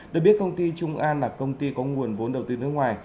được biết công ty trung an là công ty có nguồn vốn đầu tư nước ngoài